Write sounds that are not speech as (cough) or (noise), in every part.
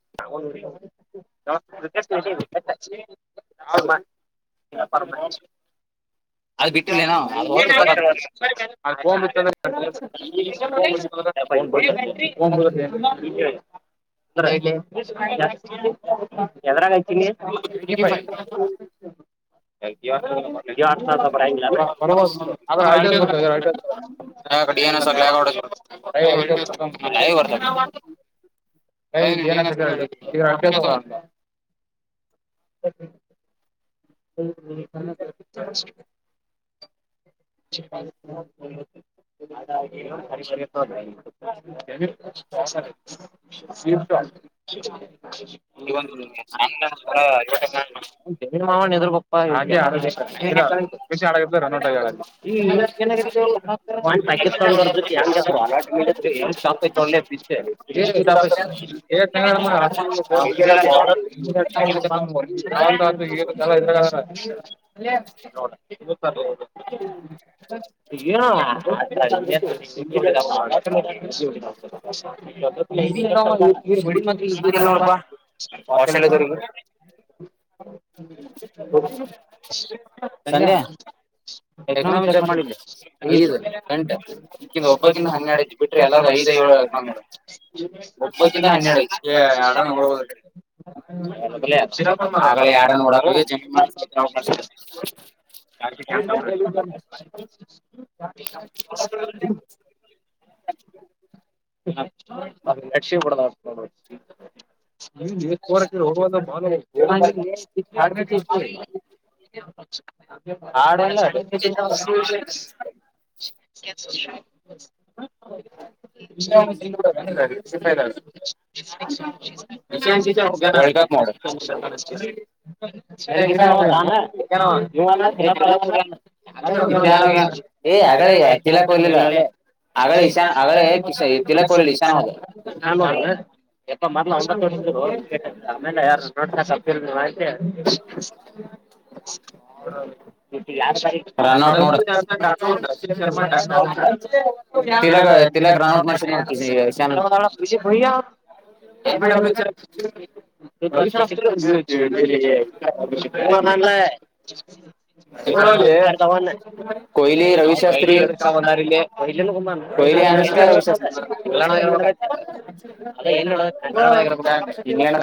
How ಯ ಅ ಬಿ. ಒಂಬ. ಎದರಾಗಯತೀನಿ.. ಪೈ. ಬಬೋದುರ ಬರ್. ಕ ಒಕ ಕನ ಸ ಅ ಅಟ. ಹಕ್. ಹರಿ. ಇ. ಇ ಒಂದುಂಗ. ಹಾಗ ಆಡರ್ತೋ ಪಾಕಿಸ್ತಾನದವ್ರ ಜೊತೆ ಹೆಂಗಗೆ.. ಒಳ್ಳ ಬ ಎಷ್ಟ್ಟಾ್ (inaudible) ಇದ.. ಏನು.. ಖ್ ಇವರು ಬಿಡಿ ಮಕ್ ಈಗ ನೋಡಪ್ಪಾಲ್ಲ. ಹ ಬ ಎಕನಾಮಿ ಚೆಕ್ ಮಾಡಿದ್ಲಿ ಐದು ಗಂಟೆ ಈಕಿಂದು ಒಬ್ಬಕ್ಕಿಂತ ಹನ್ನೆರಡ ಐ್ ಬಿಟ್ರಿ ಎಲ್ಲಾರ ಐದ ಏಳು.. ಒಬ್ಬಕ್ಕಿಂತ ಹನ್ನೆರಡ ಎರಡ ನೋಡ್ಬೋದರಿ.. ಆಗ ಯಾರ ನೋಡಕ ಜ.. ಜೆ ಹ. ಕ್ ಅ ಲಕ್ಷ್ಯ ಕೂಡದ. (unintelligible) (unintelligible) (inaudible) ವಿಷ್ಣ (unintelligible) ವಿಶಂತ (unintelligible) (unintelligible) (unintelligible) ಅವಳ (unintelligible) ಎಪ್ಪ ಮಲ್ ಆಮೇಲೆ ಯಾರ ನೋಡ್ತ ಸ್ಲ್ ಮಾತಿ. ಹೌ (inaudible) ನಿನ (unintelligible) ನ ಎ ಸ ಹ (unintelligible) (inaudible) (unintelligible) (unintelligible) ವಿಷತ ಹಾ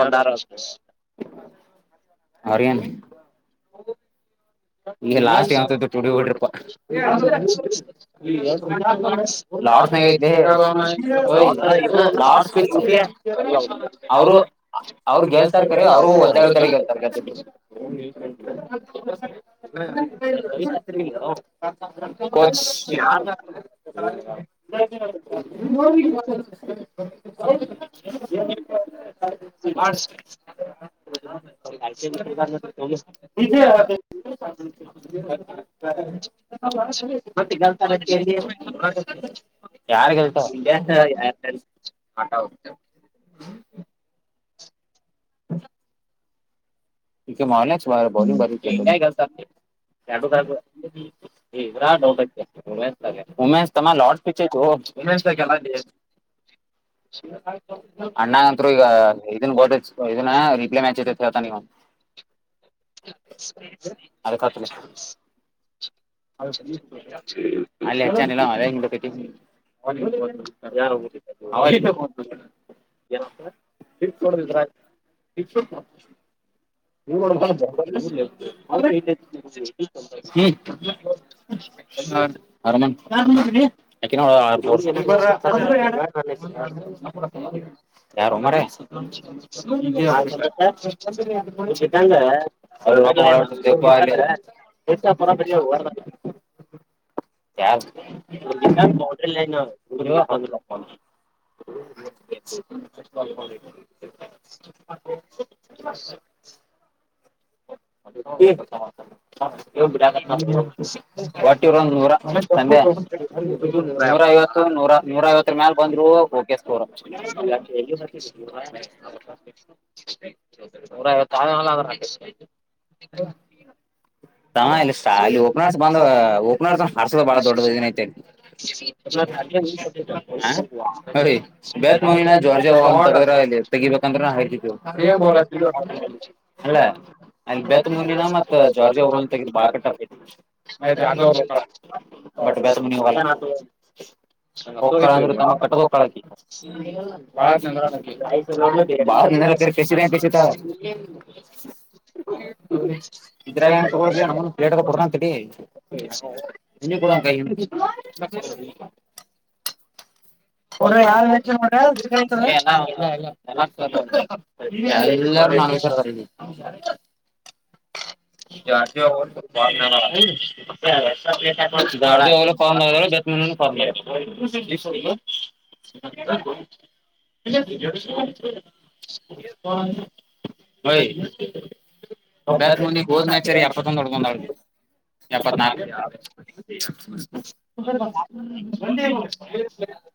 ಬಂದಾರ ಅರಯಣ ಈಗ ಲಾಸ್ಟ್ ಾವತ ತುಡಿ ಹೋಗಡ್ರಪ್ಪ ಲಾರ್ಡ್ಸ್ ನಾಗೈದಿಯತಿ ಓಯ್ ಲಾರ್ಡ್ಸ್ ಸ್ವಚ್ಗೇ ಅವರು ಅವ್ರ ಗೆಲ್ತಾರೆ ಕರಿಯ ಅವರು ಒದ್ದಡ ಒ್ದ ಗೆಲ್ತಾರ ಗ್ದ ಕೋಚ್ (inaudible) (inaudible) ಇಬ್ಬರು ಮತ್ತೆ ಯಾರು ಗೆಲ್ತಾನೆ.. ಆಟ ಉಟ್ಟ ಹ್ಮ (unintelligible) (unintelligible) ಡೌ (unintelligible) ಜಯ್ ಅನಬೇಕ್ (unintelligible) ಅಣ್ಣ ಈಗ (unintelligible) (unintelligible) ಹೌ (unintelligible) (unintelligible) (unintelligible) ನೋಡಿದ್ರ ಇಛ ಪ್ರತ (unintelligible) ನೀ ಅರಮನ್ ಯಾಕೇ (unintelligible) ಯಾರು ಉಮ್ಮರೇ ಅಳಪ್ಪ ಅಲ್ಲಿ (unintelligible) ಯಾರ ಊರಿಗಂದ ಇಲ್ಲ ಇನ್ನ (unintelligible) (inaudible) (inaudible) (unintelligible) ನೂರ ಐವತ್ತು ಮೇಲೆ (unintelligible) ನೂರಐವತ್ತಲ್ಲ ಅ (unintelligible) ಹ ಇಲ್ಲ ಶಾಲೆಅಲ್ಲಿ ಓಪನರ್ಸ್ ಬಂದ ಓಪನರ್ ಹರ್ಸೋ ಬಾಳ ದೊಡ್ಡದದು ಏನೈತೆ (inaudible) ಹ ಬ್ಯಾ ಮುಗಿನ ಜೋ ರ್ಜಾಲ್ (unintelligible) ತೆಗಿಬೇಕಂದ್ರೆ ನಾ ಹೇಳ್ತಲ್ಲ ಅಲ್ ಬೇತ್ ಮುನಿದ ಮತ್ತೆ (unintelligible) ಜಾರ್ಜಿ ಹೋಗ ತಗಿದ ಬಾಳ ಕಟ್ಟ (unintelligible) (unintelligible) ಒಕ್ಕಾಳ ಅಂದ್ರೆ ತಮ್ಮ ಕಟ್ಟದ ಒಕ್ಕಳಾಕಿ (inaudible) ಏಲ ಕಿಸಿದಾಂಗ ಕಿಸಿತಾವ ಇದ್ರಾಗ ಏ ತೋಗಣ ಪ್ಲೇಟ್ಗ ಕೊಡಂತ (unintelligible) ಇನ್ನು ಕೂಡ ಕ ಅವ್ರ ಯಾರ ಹೆ ನೋ್ರ (unintelligible) ನಾನ್ ವೆಜ್ ಹ (inaudible) ಜಾರ್ಜ ಜಾರ್ಜಿಯಲ್ಲ ಫ ನ ಗ (unintelligible) (inaudible) ಹೋ್ (inaudible) ಬೋತ್ ಮನಿ ಗೋದನಾಯಚರಿ ಎಪ್ಪತ್ತೊಂದು ಒಡಕೋಂಡವರೇ ಎಪ್ಪತ್ನಾಕ್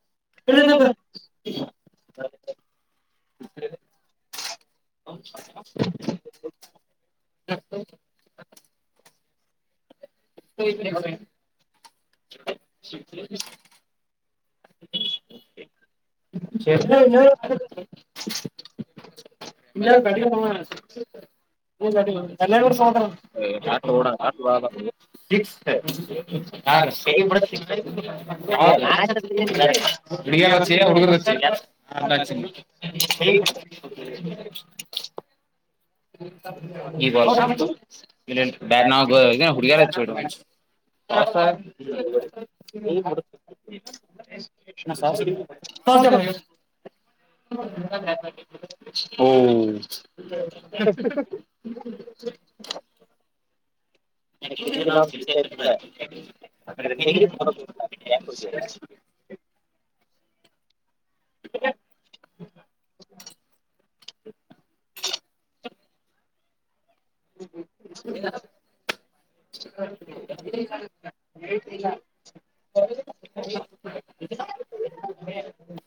(unintelligible) ಎಲ್ಲ ನ (inaudible) (inaudible) ಹ ಶ (inaudible) ನೀಾರ ಗಡಿ ಹ ಹ ಕಲ್ಯಾಣ ಕಡ ಸಮತ್ರರ ಸಿ ಹೌ ಉಡುಗ ಈ ಬ ನಾ ಹುಡುಗ್ಯರ ಹಾಸ ಮ ಸ ತೌ (inaudible) ಹಓ ಸ ಸ (unintelligible) ನ ನ ಚ (unintelligible) (unintelligible) ಹಾ (unintelligible) ಹ (unintelligible) ಹ (unintelligible) (unintelligible) ಹ (unintelligible)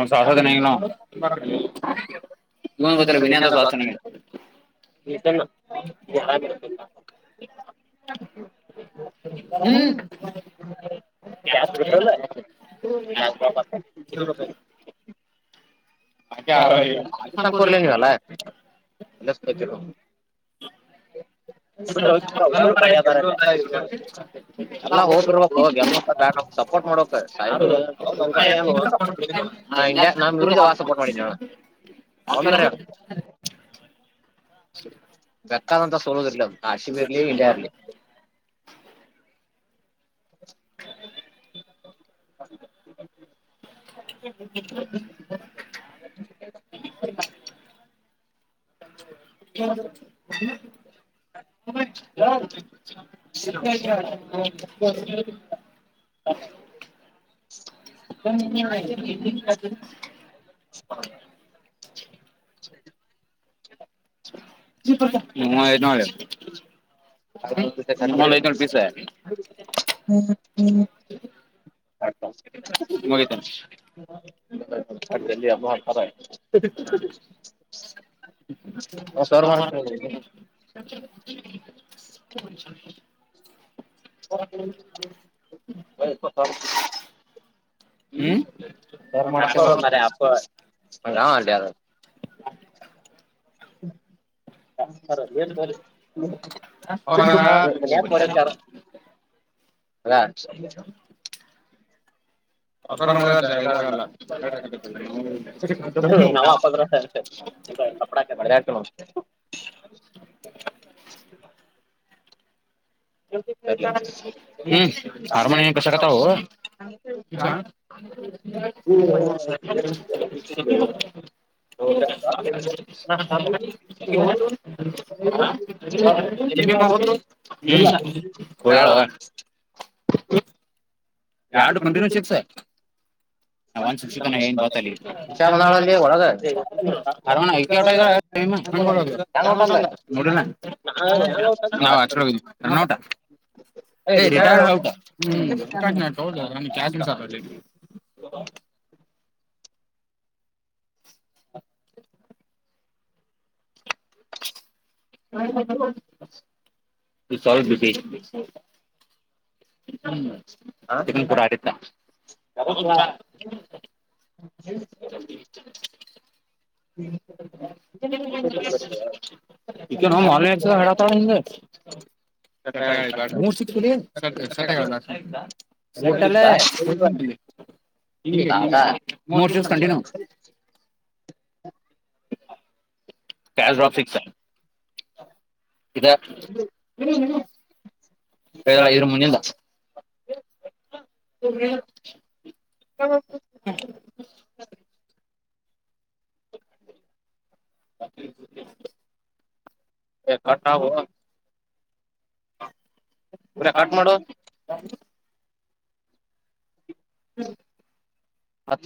ಒ ಸಾಾಸದಿನ (unintelligible) ನ್ ಗೊತ್ತಲ್ಲ ವಿನಯಂದ ಸಾಸನ (unintelligible) ಹಾಗರುತ್ತ ಹ್ಮ (unintelligible) ಹ (inaudible) ಹಾಗ ಸಾಂಗ ಕೊಲ ನೀಲ್ಲ ಅರ (inaudible) (unintelligible) ಎಲ್ಲ ಹೋಗಿರ್ಬೇಕಕ್ ಹೋಗಿ ಎಲ್ (unintelligible) ಸಪೋರ್ಟ್ ಮಾಡಕ್ ನಾ ಇ ನಾನ್ ವಿರುದಾವ ಸಪೋರ್ಟ್ ಮಾಡ (inaudible) ಅ (unintelligible) (unintelligible) ಬೇಕಾದಂತ ಸೋಲದರ್ಲ ಕಾಶಿಮ ಇರ್ಲಿ ಇಂಡಿಯಾ ಇರ್ಲಿ (inaudible) (inaudible) ಹ ಹ ಬ ಅದು (inaudible) ನಳ ಕಾರ ಹ್ಞ ಹ್ಞ ಅಡ್ಲ್ಲಿಿ ಅಮ್ಮ ಮಾಡತಾರ ಸ ಹ ವಕ ಸ ಮಾಡ ಮ ನ್ ಹ ನೋಡ (unintelligible) ಇದಾಗಲ್ಲ ಕರೆಕ್ಟ್ ಆಗಿ (unintelligible) (unintelligible) ಹ್ಮ್ ಹಾರ್ಮೋನಿಯಂ ಕಷಕತಾವು (unintelligible) (unintelligible) (unintelligible) ಹೋದ್ಲು ಹ್ನು ಹೋಗ್ಯಾಳೋ ಯಾಡ ಕಂಟಿನ್ಯೂ ಶಿಕ್ಸ ನ ಒನ್ ಸಿಕ್ಸ್ ತನ ಹೆಣಿ ಬಾತ ಅಲ್ಲಿಗ ಇಕಿ ಔಟ್ ಆಗ್ಯಾಳ (unintelligible) ಹ ನೋಡ ನಾ್ ಆಚ ಹೋಗಿದವಿ ರಣ ಊಟ ಏ ರಿಟೈರ್ಡ್ ಹೌಟ್ ಹ್ಮ (unintelligible) (inaudible) (unintelligible) (unintelligible) ಹ್ಮ ತಿರುಂಪೂರ ಅಡಿತ್ತಾ (unintelligible) (unintelligible) (unintelligible) ಇಖಿನೋ ಮಲೋ ಎಕ್ಷ ಅಡಾತಾಳ ಹಿಂಗ ಸಟ ಬ್ಯಾಡ ಮೂರ್ ಸಿಕ್ಸ್ ಲೇ ಸಟ ಸಟ ಸಟ್ಟಾಲ್ಲ ಹಿಂಗೇ ಹಿಂಗೇ ಆ ಮೂರ ಸಿಕ್ಸ್ ಕಂಟಿನ್ಯೂ. (inaudible) ಕ್ಯಾಶಡ್ರಾಪ್ ಸಿಕ್ಸ್ ಇದ ಹೇಳ ಏನ್ ಮುಂದಿಂದ (unintelligible) (unintelligible) (inaudible) ಎ ಕಟ್ಟ್ ಆವೊ (unintelligible) (inaudible)